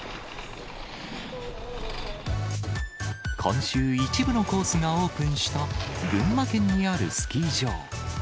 今週、一部のコースがオープンした群馬県にあるスキー場。